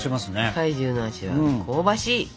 怪獣の足は香ばしい！